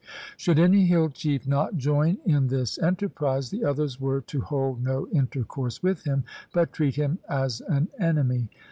Should any hill chief not join in this enterprise, the others were to hold no intercourse with him, but treat him as an enemy.